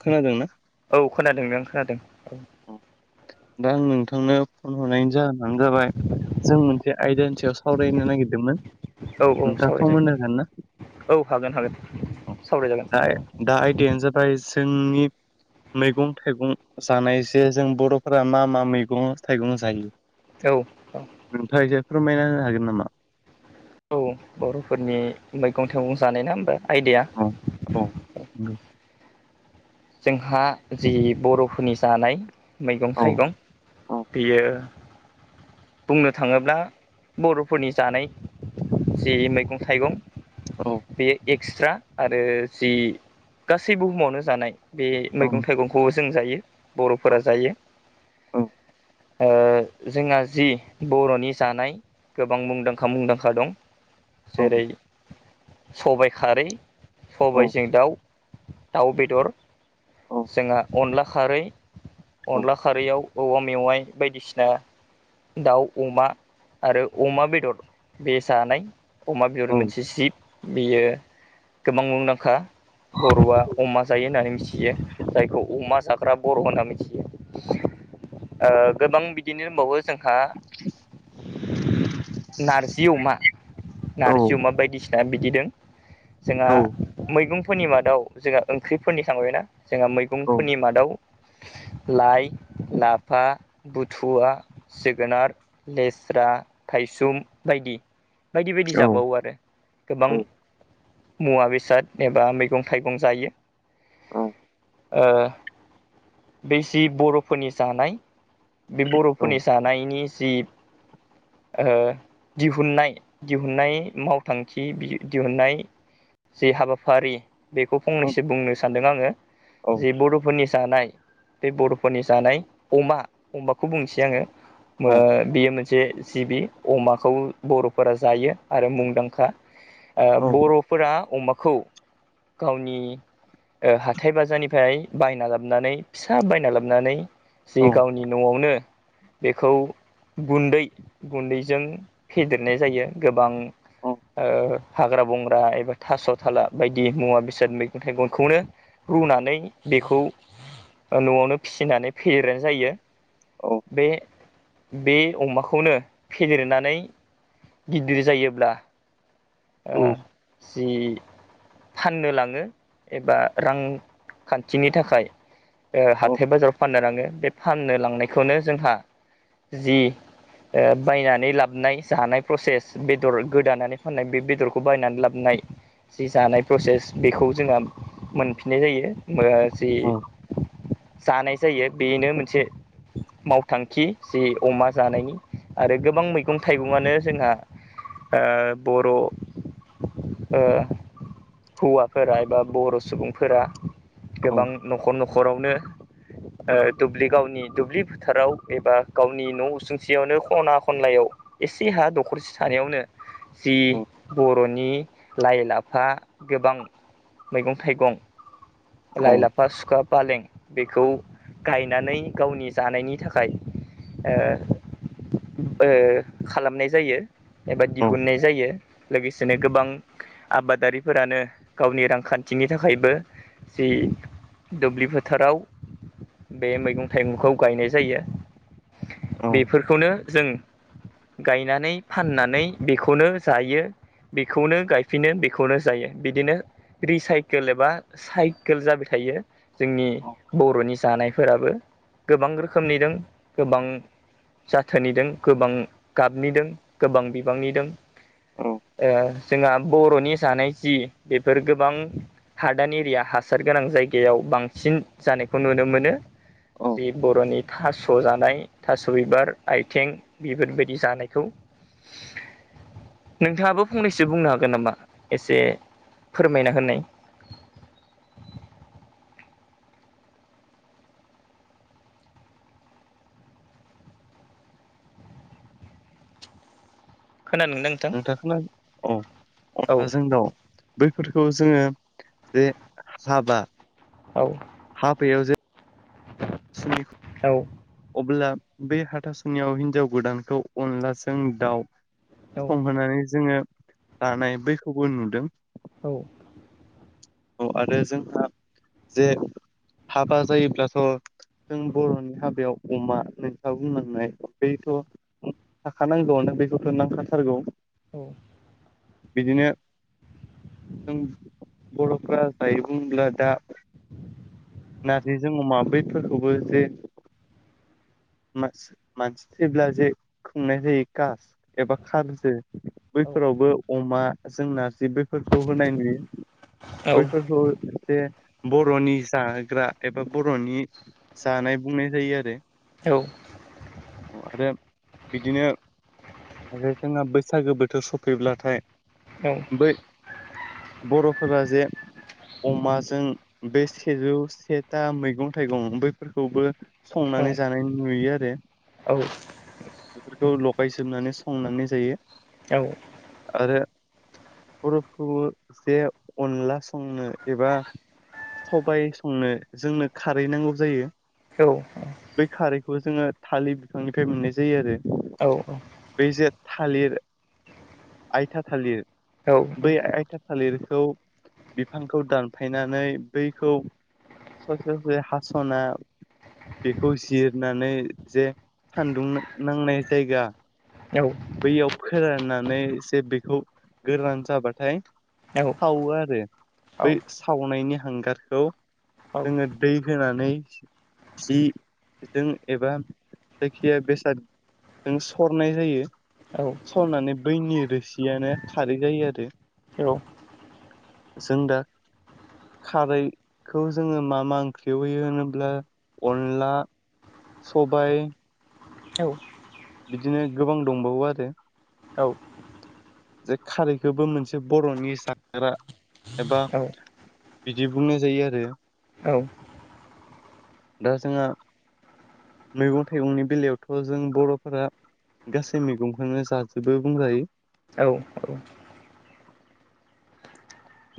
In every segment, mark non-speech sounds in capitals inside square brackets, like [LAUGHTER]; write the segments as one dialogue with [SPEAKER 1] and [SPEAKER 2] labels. [SPEAKER 1] खोनादों ना?
[SPEAKER 2] औ खोनादों नोंथां खोनादों औ।
[SPEAKER 1] दा आं नोंथांनो फन हरनायनि जाहोनानो जाबाय जों मोनसे आयदानि सायाव सावरायनो नागिरदोंमोन
[SPEAKER 2] औ औ
[SPEAKER 1] नोंथाङा सम
[SPEAKER 2] सावरायजायो
[SPEAKER 1] होनो हागोन ना?
[SPEAKER 2] औ हागोन हागोन सावरायजागोन
[SPEAKER 1] दा आयदायानो जाबाय जोंनि मैगं थाइगं जानाय जे जों बर'फोरा मा मा मैगं थाइगं जायो।
[SPEAKER 2] औ
[SPEAKER 1] नोंथाङा एसे फोरमायना होनो हागोन नामा?
[SPEAKER 2] औ बर'फोरनि मैगं थाइगं जानाय ना होमबा आयदाया
[SPEAKER 1] औ औ नंगौ।
[SPEAKER 2] जोंहा जि बर'फोरनि जानाय मैगं
[SPEAKER 1] औ
[SPEAKER 2] थाइगं
[SPEAKER 1] औ
[SPEAKER 2] बेयो बुंनो थाङोब्ला बर'फोरनि जानाय जे मैगं थाइगं
[SPEAKER 1] औ
[SPEAKER 2] बेयो एक्सट्रा आरो जि गासै बुहुमावनो जानाय बे
[SPEAKER 1] औ
[SPEAKER 2] मैगं थाइगंखौबो जों जायो बर'फोरा जायो।
[SPEAKER 1] औ
[SPEAKER 2] ओ जोंहा जि बर'नि जानाय गोबां मुंदांखा मुंदांखा दं
[SPEAKER 1] औ
[SPEAKER 2] जेरै सबाय खारै,
[SPEAKER 1] औ
[SPEAKER 2] सबाइजों दाउ, दाउ बेदर जोंहा अनला खारै अनला खारैयाव औवा मेवाइ बायदिसिना दाउ अमा आरो अमा बेदर बे जानाय अमा बेदर
[SPEAKER 1] औ
[SPEAKER 2] मोनसे जिब बियो गोबां मुंदांखा बर'आ अमा जायो होननानै मिथियो जायखौ अमा जाग्रा बर' होनना मिथियो। गोबां बिदिनो दंबावो जोंहा नारजि अमा नारजि अमा बायदिसिना बिदिदों जोंहा
[SPEAKER 1] औ
[SPEAKER 2] मैगंफोरनि मादाव जोंहा ओंख्रिफोरनि थांबाय ना जोंहा मै सुबुंफोरनि मादाव लाइ लाफा बुथुवा जोगोनार लेस्रा थायसुम बायदि। बायदि बायदि
[SPEAKER 1] औ
[SPEAKER 2] जाबावो आरो। गोबां मुवा बेसाद एबा मैगं थाइगं जायो। ओ बे जि बर'फोरनि जानाय बे बर' फोरनि जानायनि जि ओ दिहुननाय दिहुननाय मावथांखि बि दिहुननाय जि हाबाफारि बेखौ फंनैसो बुंनो सानदों आङो। जे बर'फोरनि जानाय बे बर'फोरनि जानाय अमा अमाखौ बुंसै आङो ओ बे मोन से जिबि अमाखौ बर'फोरा जायो आरो मुंदांखा। ओ बर'फोरा अमाखौ गावनि ओ हाथाय बाजारनिफ्राय बायना लाबनानै फिसा बायना लाबोनानै जि गावनि न'आवनो बेखौ गुन्दै गुन्दैजों फेदेरनाय जायो गोबां ओ हाग्रा बंग्रा एबा थास' थाला बायदि मुवा बेसाद मैगं थाइगंखौनो रुनानै बेखौ न'आवनो फिसिनानै फेदेरनाय जायो।
[SPEAKER 1] औ
[SPEAKER 2] बे बे अमाखौनो फेदेरनानै गिदिर जायोब्ला
[SPEAKER 1] औ
[SPEAKER 2] ओ जि फाननो लाङो एबा रांखान्थिनि थाखाय ओ
[SPEAKER 1] औ
[SPEAKER 2] हाथाय बाजाराव फाननो लाङो बे फाननो लांनायखौनो जोंहा जि ओ बायनानै लाबनाय जानाय प्रसेस बेदर गोदानानै फाननाय बे बेदरखौ बायनानै लाबोनाय जि जानाय प्रसेस बेखौ जोंहा मोनफिननाय जायो। मो जि
[SPEAKER 1] औ
[SPEAKER 2] जानाय जायो बेनो मोनसे मावथांखि जि अमा जानायनि आरो गोबां मैगं थाइगंआनो जोंहा ओ बर' ओ हौवाफोरा एबा बर' सुबुंफोरा
[SPEAKER 1] औ
[SPEAKER 2] गोबां न'खर न'खरावनो ओ दुब्लि गावनि दुब्लि फोथाराव एबा गावनि न' उसुंसेयावनो खना खनलायाव एसे हा दखरसे थानायावनो जि
[SPEAKER 1] औ
[SPEAKER 2] बर'नि लाइ लाफा गोबां मैगं थाइगं
[SPEAKER 1] औ
[SPEAKER 2] लाइ लाफा सुखा फालें बेखौ गायनानै गावनि जानायनि थाखाय ओ ओ खालामनाय जायो। एबा
[SPEAKER 1] औ
[SPEAKER 2] दिहुननाय जायो लोगोसेनो गोबां आबादारिफोरानो गावनि रांखान्थिनि थाखायबो जि दुब्लि फोथाराव बे मैगं थाइगंखौ गायनाय जायो
[SPEAKER 1] औ
[SPEAKER 2] बेफोरखौनो जों गायनानै फाननानै बेखौनो जायो। बेखौनो गायफिनो बेखौनो जायो बिदिनो रिसाइकेल एबा साइकेल जाबाय थायो। जोंनि
[SPEAKER 1] औ
[SPEAKER 2] बर'नि जानायफोराबो गोबां रोखोमनिदों गोबां जाथोनिदों गोबां गाबनि दों गोबां बिबांनि दों।
[SPEAKER 1] औ
[SPEAKER 2] ओ जोंहा बर'नि जानाय जि बेफोर गोबां हादान एरिया हासार गोनां जायगायाव बांसिन जानायखौ नुनो मोनो।
[SPEAKER 1] औ
[SPEAKER 2] बे बर'नि थास' जानाय थास' बिबार आइथें बेफोरबायदि जानायखौ नोंथाङाबो फंनैसो बुंनो हागोन नामा? एसे फोरमायना होननाय खोनानोदां?
[SPEAKER 1] नोंथांङा खोना औ अनलाजों दाव। बैफोरखौ जोङो जे हाबा
[SPEAKER 2] औ
[SPEAKER 1] हाबायाव जे
[SPEAKER 2] द [INAUDIBLE]
[SPEAKER 1] सुनिख अब्ला बे हाथासुनियाव हिनजाव गोदानखौ अनलाजों दाउ
[SPEAKER 2] औ
[SPEAKER 1] संहोनानै जोङो लानाय बैखौबो नुदों।
[SPEAKER 2] औ
[SPEAKER 1] औ आरो जोंहा जे हाबा जायोब्लाथ' जों बर'नि हाबायाव अमा नोंथाङा बुंलांनाय बैथ' थाखानांगौ आनो बैखौथ' नांखाथारगौ।
[SPEAKER 2] औ
[SPEAKER 1] बिदिनो जों बर'फ्रा जायों बुंब्ला दा नाथाय जों अमाब्रेदफोरखौबो जे मास मानसि थैब्ला जे खुंनाय जायो कास एबा खारजो
[SPEAKER 2] औ औ
[SPEAKER 1] बैफोरावबो अमा जों नारजि बैफोरखौ होनाय नुयो। बैफोरखौ जे बर'नि जाग्रा एबा बर'नि जानाय बुंनाय जायो आरो।
[SPEAKER 2] औ।
[SPEAKER 1] आरो बिदिनो आरो जोंहा बैसागो बोथोर सफैब्लाथाय
[SPEAKER 2] औ
[SPEAKER 1] बै बर'फोरा जे अमाजों बे सेजौ सेथा मैगं थाइगं बैफोरखौबो संनानै जानाय नुयो आरो।
[SPEAKER 2] औ औ
[SPEAKER 1] बेफोरखौ लगायजोबनानै संनानै जायो।
[SPEAKER 2] औ
[SPEAKER 1] आरो बर'फोरखौबो जे अनला संनो एबा सबाय संनो जोंनो खारै नांगौ जायो।
[SPEAKER 2] औ औ।
[SPEAKER 1] बै खारैखौ जोङो थालि बिफांनिफ्राय मोननाय जायो आरो।
[SPEAKER 2] औ औ।
[SPEAKER 1] बै जे थालिर आयथा थालिर बै आयथा थालिर खौ बिफांखौ दानफायनानै बैखौ ससे ससे हास 'ना बेखौ जिरनानै जे सान्दुं नां-नांनाय जायगा
[SPEAKER 2] औ
[SPEAKER 1] बैयाव फोराननानै एसे बेखौ गोरान जाबाथाय
[SPEAKER 2] औ
[SPEAKER 1] सावो आरो बै सावनायनि हांगारखौ जोङो दै होनानै जि जों एबा जायखिजाया बेसाद जों सरनाय जायो
[SPEAKER 2] औ
[SPEAKER 1] सरनानै बैनि रोसियानो खारै जायो आरो। जों दा खारैखौ जोङो मा मा ओंख्रिआव होयो होनोब्ला अनला सबाइ
[SPEAKER 2] औ
[SPEAKER 1] बिदिनो गोबां दंबावो आरो।
[SPEAKER 2] औ
[SPEAKER 1] जे खारैखौबो मोनसे बर'नि जाग्रा एबा
[SPEAKER 2] औ
[SPEAKER 1] बिदि बुंनाय जायो आरो।
[SPEAKER 2] औ
[SPEAKER 1] दा जोंहा मैगं थाइगंनि बेलायावथ' जों बर' फोरा गासै मैगंखौनो जाजोबो बुंजायो।
[SPEAKER 2] औ औ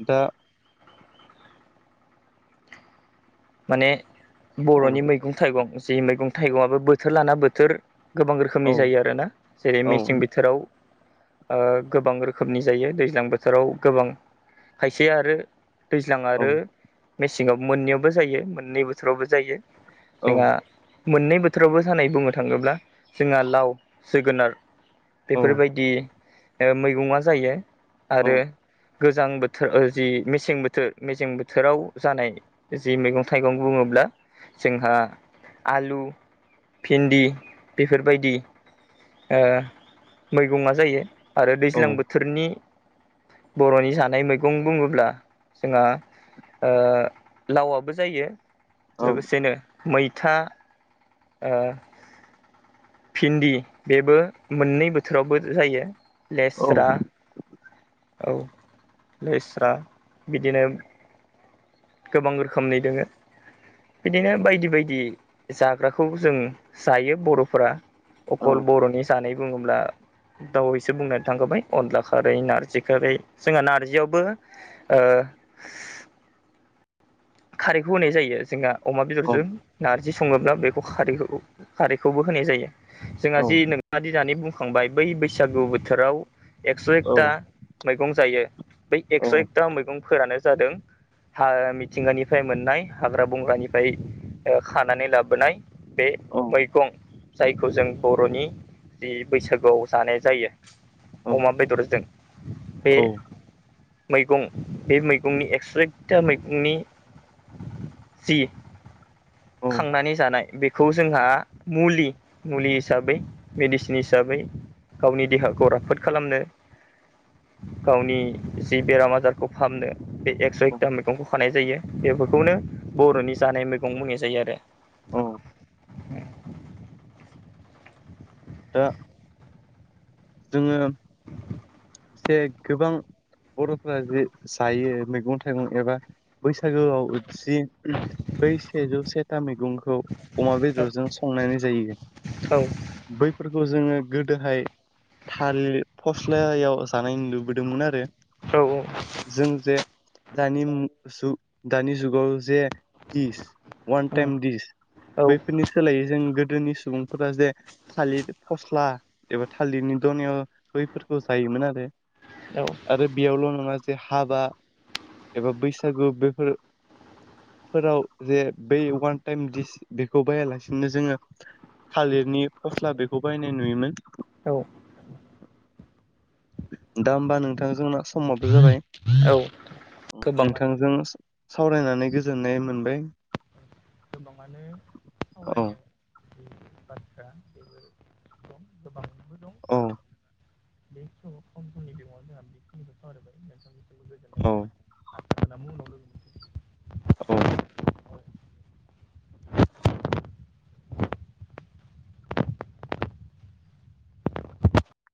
[SPEAKER 1] दा
[SPEAKER 2] माने
[SPEAKER 1] औ
[SPEAKER 2] बर'नि मैगं थाइगं जि मैगं थाइगंआबो बोथोर लाना बोथोर गोबां
[SPEAKER 1] औ
[SPEAKER 2] रोखोमनि जायो आरोना।
[SPEAKER 1] औ
[SPEAKER 2] ओ गोबां रोखोमनि जायो दैज्लां बोथोराव गोबां खायसे आरो दैज्लां
[SPEAKER 1] औ
[SPEAKER 2] आरो मेसेंआव मोननैयावबो जायो मोननै बोथोरावबो जायो।
[SPEAKER 1] औ
[SPEAKER 2] जोंहा मोननै बोथोरावबो जानाय बुंनो थाङोब्ला जोंहा लाव जोगोनार।
[SPEAKER 1] औ
[SPEAKER 2] बेफोरबायदि ओ मैगंआ जायो आरो
[SPEAKER 1] औ
[SPEAKER 2] गोजां बोथोर ओ जि मेसें बोथोर मेसें बोथोराव जानाय जि मैगं थाइगं बुङोब्ला जोंहा आलु भिन्दि बेफोरबायदि ओ मैगंआ जायो। आरो
[SPEAKER 1] औ
[SPEAKER 2] दैज्लां बोथोरनि बर'नि जानाय मैगं बुङोब्ला जोंहा ओ लावआबो जायो
[SPEAKER 1] औ
[SPEAKER 2] लोगोसेनो मैथा ओ भिन्दि बेबो मोननै बोथोरावबो जायो। लेस्रा औ लेस्रा बिदिनो गोबां रोखोमनि दोङो। बिदिनो बायदि बायदि जाग्राखौबो जों जायो बर'फोरा।
[SPEAKER 1] औ
[SPEAKER 2] अखल बर'नि जानाय बुङोब्ला दावैसो बुंनानै थांखाबाय अनला खारै नारजि खारै जोंहा नार्जियावबो ओ खारैखौ होनाय जायो जोंहा अमा
[SPEAKER 1] औ
[SPEAKER 2] बेदरजों नार्जि सङोब्ला बेखौ खारैखौ खारैखौबो होनाय जायो। जोंहा जि नोंथाङादि दानि बुंखांबाय बै बैसागु बोथोराव एक्स' एकथा
[SPEAKER 1] औ
[SPEAKER 2] मैगं जायो बै एक्स'
[SPEAKER 1] औ
[SPEAKER 2] एकथा मैगंफोरानो जादों हा मिथिंगानिफ्राय मोननाय हाग्रा बंग्रानिफ्राय ओ खानानै लाबोनाय बे मैगं जायखौ जों बर'नि जि बैसागुआव जानाय जायो। अमा बेदरजों बे
[SPEAKER 1] औ
[SPEAKER 2] मैगं बे मैगंनि एक्स एकटा मैगंनि जि
[SPEAKER 1] औ
[SPEAKER 2] खांनानै जानाय बे खौ जोंहा मुलि मुलि हिसाबै मेडिसिन हिसाबै गावनि देहाखौ राफोद खालामनो गावनि जि बेराम आजार खौ फाहामनो बे एकस' एकथा मैगंखौ खानाय जायो। बेफोरखौनो बर'नि जानाय मैगं बुंनाय जायो आरो।
[SPEAKER 1] औ दा जोङो जे गोबां बर'फोरा जे जायो मैगं थाइगं एबा बैसागोआव जि बै सेजौ से था मैगंखौ अमा बेदरजों संनाय जायो।
[SPEAKER 2] औ
[SPEAKER 1] बैफोरखौ जोङो गोदोहाय थालि फस्लायाव जानाय नुबोदोंमोन आरो
[SPEAKER 2] औ
[SPEAKER 1] जों जे दानि मु जुग दानि जुगाव जे गिस अवान टाइम दिस
[SPEAKER 2] औ
[SPEAKER 1] बैफोरनि सोलायै जों गोदोनि सुबुंफोरा जे थालिर फस्ला एबा थालिरनि दनायाव बैफोरखौ जायोमोन आरो
[SPEAKER 2] औ
[SPEAKER 1] आरो बेयावल' नङा जे हाबा एबा बैसागु बेफोर फोराव जे बै अवान टाइम दिस बेखौ बाहायालासिनो जोङो थालिरनि फस्ला बेखौ बायनाय नुयोमोन
[SPEAKER 2] औ
[SPEAKER 1] दा होमबा नोंथां जोंना समाबो जाबाय
[SPEAKER 2] औ गोबाङानो
[SPEAKER 1] नोंथांजों सावरायनानै गोजोननाय मोनबाय
[SPEAKER 2] गोबाङानो
[SPEAKER 1] औ
[SPEAKER 2] सावरायनो [INAUDIBLE]
[SPEAKER 1] औ
[SPEAKER 2] [INAUDIBLE]
[SPEAKER 1] औ
[SPEAKER 2] थाबाय [INAUDIBLE]
[SPEAKER 1] औ